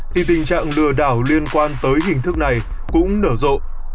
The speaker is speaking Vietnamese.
thì tình trạng lừa đảo liên quan tới hình thức này cũng nở rộ